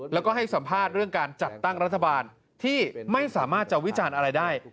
แล้วก็ให้สัมภาษณ์เรื่องการจัดตั้งรัฐบาลที่ไม่สามารถจะวิจารณ์อะไรได้